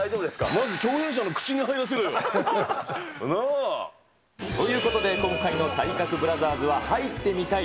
まず共演者の口に入らせろよ、なぁ。ということで今回の体格ブラザーズは入ってみたい！